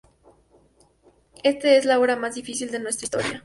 Este es la hora más difícil de nuestra historia.